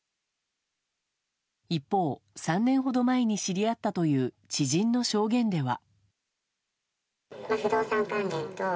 一方、３年ほど前に知り合ったという知人の証言では。